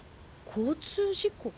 交通事故。